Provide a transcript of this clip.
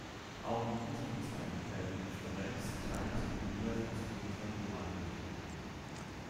Auch in unseren Zeiten werden in Florenz kleine Souvenirs aus Pietra dura hergestellt.